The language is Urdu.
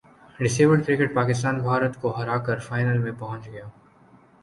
ڈس ایبلڈ کرکٹ پاکستان بھارت کو ہراکر فائنل میں پہنچ گیا